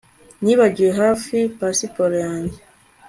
Nibagiwe hafi pasiporo yanjye